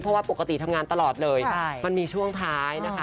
เพราะว่าปกติทำงานตลอดเลยมันมีช่วงท้ายนะคะ